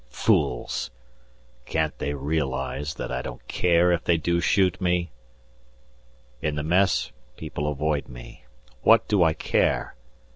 Fools! can't they realize that I don't care if they do shoot me? In the Mess, people avoid me. What do I care?